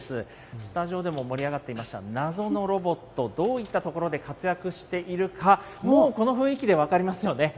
スタジオでも盛り上がっていました、謎のロボット、どういったところで活躍しているか、もうこの雰囲気で分かりますよね。